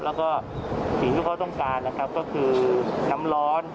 แล้วก็สิ่งที่เขาต้องการนะครับก็คือน้ำร้อน